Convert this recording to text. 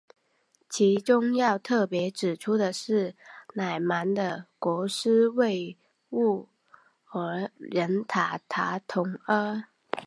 其中要特别指出的是乃蛮的国师畏兀儿人塔塔统阿。